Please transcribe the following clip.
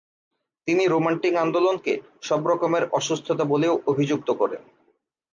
তিনি রোমান্টিক আন্দোলনকে "সব রকমের অসুস্থতা" বলেও অভিযুক্ত করেন।